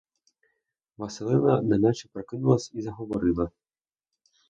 Василина неначе прокинулась і заговорила.